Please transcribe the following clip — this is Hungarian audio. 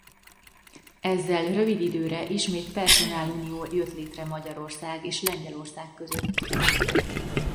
Ezzel rövid időre ismét perszonálunió jött létre Magyarország és Lengyelország között.